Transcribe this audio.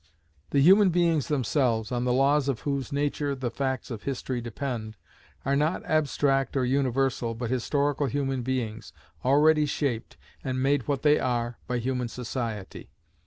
The human beings themselves, on the laws of whose nature the facts of history depend, are not abstract or universal but historical human beings, already shaped, and made what they are, by human society.